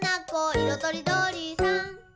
いろとりどりさん」